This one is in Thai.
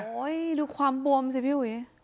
หู้ยดูความบวมสิพี่หุวิ